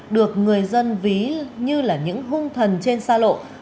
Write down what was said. được người dân ví như là những hung thần trên xa lộ